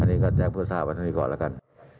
อันนี้ก็แจ้งเพื่อทราบกันทั้งนี้ก่อนแล้วกัน